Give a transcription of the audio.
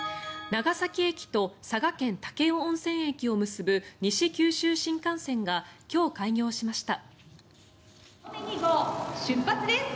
長崎駅と佐賀県・武雄温泉駅を結ぶ西九州新幹線が今日、開業しました。